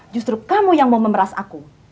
justru kamu yang mau memeras aku